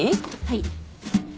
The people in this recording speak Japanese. はい。